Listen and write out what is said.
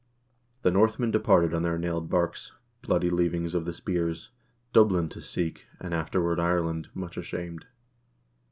The Northmen departed on their nailed barks, bloody leavings of the spears, Dublin to seek, and afterward Ireland, much ashamed."